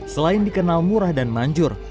selain dikenal murah dan manjur